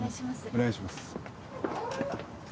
お願いします。